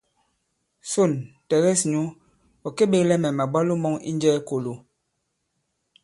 Sôn, tɛ̀gɛs nyǔ ɔ̀ kê-beglɛ mɛ̀ màbwalo mɔ̄ŋ i Njɛɛ̄-Kōlo.